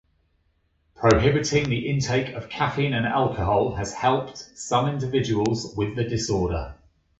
Prohibiting the intake of caffeine and alcohol has helped some individuals with the disorder.